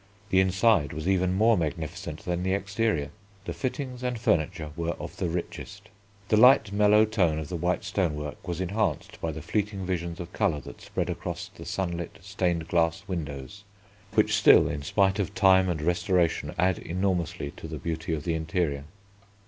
The inside was even more magnificent than the exterior. The fittings and furniture were of the richest. The light mellow tone of the white stonework was enhanced by the fleeting visions of colour that spread across from the sunlit stained glass windows, which still, in spite of time and restoration, add enormously to the beauty of the interior.